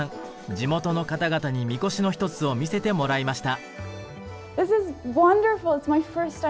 地元の方々にみこしの一つを見せてもらいました。